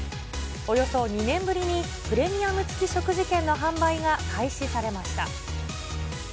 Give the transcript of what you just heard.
およそ２年ぶりにプレミアム付き食事券の販売が開始されました。